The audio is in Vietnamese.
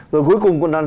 rồi cuối cùng